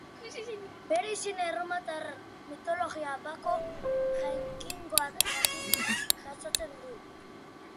Bere izena erromatar mitologiako Bako jainkoagatik jasotzen du.